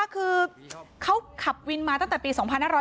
เขาขับวินมาตั้งแต่ปี๒๕๔๗